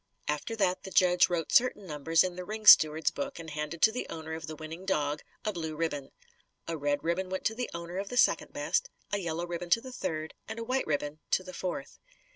After that, the judge wrote certain numbers in the ring steward's book and handed to the owner of the winning dog a blue ribbon. A red ribbon went to the owner of the second best, a yellow ribbon to the third, and a white ribbon to the fourth.